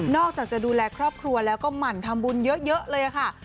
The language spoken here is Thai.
อกจากจะดูแลครอบครัวแล้วก็หมั่นทำบุญเยอะเลยค่ะ